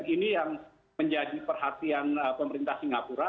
ini yang menjadi perhatian pemerintah singapura